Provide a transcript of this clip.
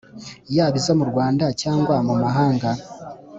yaba izo mu Rwanda cyangwa mumahanga